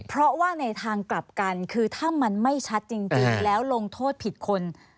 เพราะว่าในทางกลับกันคือถ้ามันไม่ชัดจริงแล้วลงโทษผิดคน